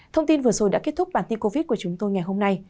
thông tin vừa rồi đã kết thúc bản tin covid của chúng tôi ngày hôm nay